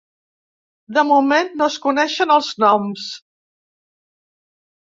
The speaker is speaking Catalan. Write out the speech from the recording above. De moment no es coneixen el noms.